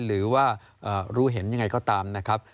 หรือว่ารู้เห็นยังไงก็ตามนะครับ